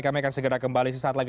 kami akan segera kembali sesaat lagi